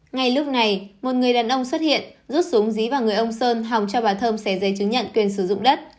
ngay lúc này một người đàn ông xuất hiện rút súng dí vào người ông sơn hòng cho bà thơm sẻ giấy chứng nhận quyền sử dụng đất